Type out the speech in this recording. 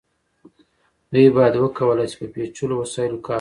دوی باید وکولی شي په پیچلو وسایلو کار وکړي.